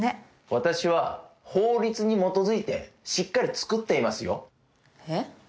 私は法律に基づいてしっかりつくっていますよえっ？